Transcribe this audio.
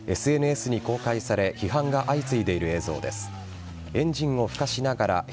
これはＳＮＳに公開され批判が相次いでいる映像です。